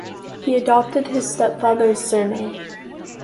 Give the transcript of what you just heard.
He adopted his stepfather's surname.